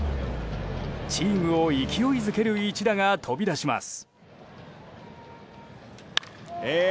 チームを勢いづける一打が飛び出します。